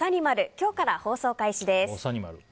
今日から放送開始です。